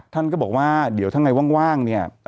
ท่านก็บอกว่าเดี๋ยวถ้าไงว่างเนี่ย